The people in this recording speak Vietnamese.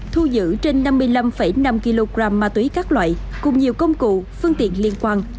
thu giữ trên năm mươi năm năm kg ma túy các loại cùng nhiều công cụ phương tiện liên quan